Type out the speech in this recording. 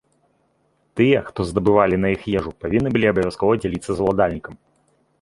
Тыя, хто здабывалі на іх ежу, павінны былі абавязкова дзяліцца з уладальнікам.